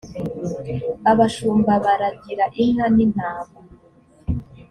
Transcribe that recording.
abashumba baragira inka nintama.